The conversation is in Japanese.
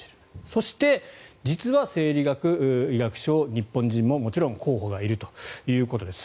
そして、実は生理学医学賞日本人も、もちろん候補がいるということです。